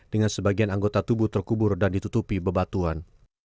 dengan sebagian anggota tubuh terkubur dan ditutupi bebatuan